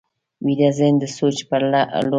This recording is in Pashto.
ویده ذهن د سوچ پر لور ځغلي